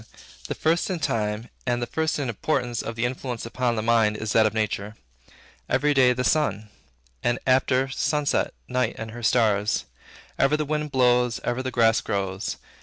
The first in time and the first in importance of the influences upon the mind is that of nature. Every day, the sun; and, after sunset, night and her stars. Ever the winds blow; ever the grass grows.